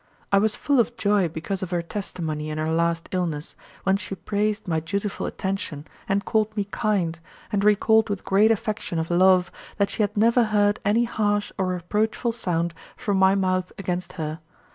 I was full of joy because of her testimony in her last illness, when she praised my dutiful attention and called me kind, and recalled with great affection of love that she had never heard any harsh or reproachful sound from my mouth against her.